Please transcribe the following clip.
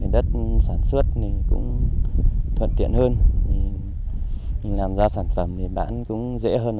đất sản xuất cũng thuận tiện hơn làm ra sản phẩm bán cũng dễ hơn